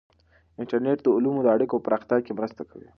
انټرنیټ د علومو د اړیکو په پراختیا کې مرسته کوي.